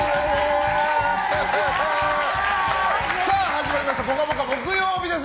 始まりました「ぽかぽか」木曜日です。